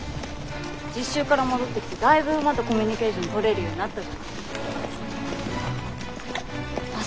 実習から戻ってきてだいぶ馬とコミュニケーションとれるようになったじゃない。